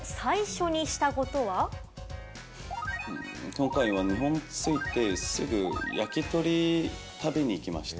今回は日本に着いてすぐ、焼き鳥を食べに行きました。